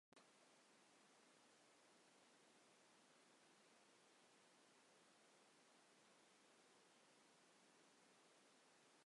Carinan bersivnedan jî bersivek e ji ber ku her pirs ne hêjayî bersivê ye.